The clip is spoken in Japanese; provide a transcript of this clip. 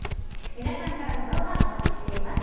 皆さんからの動画お待ちしています。